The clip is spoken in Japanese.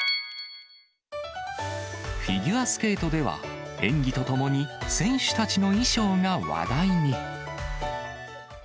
フィギュアスケートでは、演技とともに、選手たちの衣装が話題に。